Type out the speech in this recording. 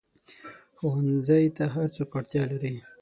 ښوونځی ته هر څوک اړتیا لري